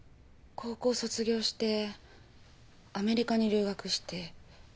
高校を卒業してアメリカに留学して。